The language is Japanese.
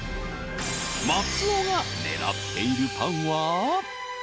［松尾が狙っているパンは］